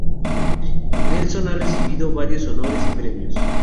Nelson ha recibido varios honores y premios.